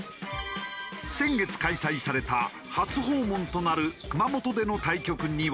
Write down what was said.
先月開催された初訪問となる熊本での対局には。